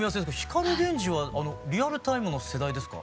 光ＧＥＮＪＩはリアルタイムの世代ですか？